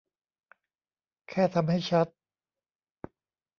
แค่ทำให้ชัด